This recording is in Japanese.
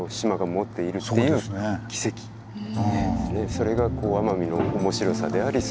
それが奄美の面白さでありすばらしさ。